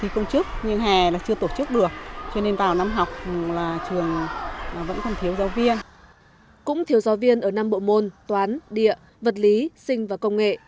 cũng thiếu giáo viên ở năm bộ môn toán địa vật lý sinh và công nghệ